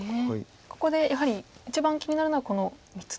ここでやはり一番気になるのはこの３つと。